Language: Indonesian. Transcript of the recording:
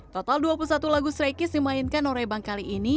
total dua puluh satu lagu strekies dimainkan norebang kali ini